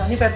iya pak rt